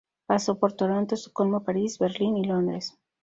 Pasó por Toronto, Estocolmo, París, Berlín y Londres.